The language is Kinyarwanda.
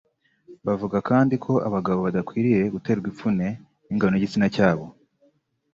Bavuga kandi ko abagabo badakwiriye guterwa ipfunwe n’ingano y’igitsina cyabo